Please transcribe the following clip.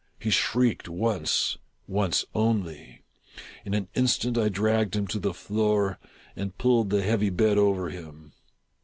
He shrieked once — once only. In an instant I dragged him to the floor, and pulled the heavy bed over him.